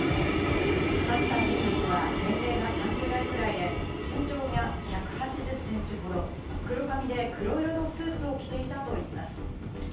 刺した人物は年齢が３０代くらいで、身長が１８０センチほど、黒髪で黒色のスーツを着ていたといいます。